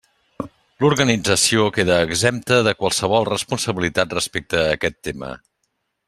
L'organització queda exempta de qualsevol responsabilitat respecte a aquest tema.